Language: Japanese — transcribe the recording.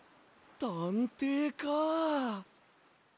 たんていか。